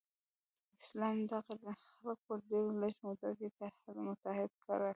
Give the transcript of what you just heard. اسلام دغه خلک په ډیره لږه موده کې متحد کړل.